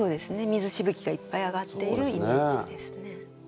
水しぶきがいっぱい上がっているイメージですね。